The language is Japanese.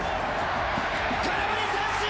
空振り三振！